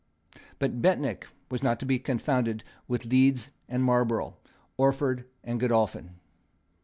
But Bentinck was not to be confounded with Leeds and Marlborough, Orford and Godolphin.